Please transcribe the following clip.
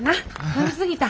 飲み過ぎた。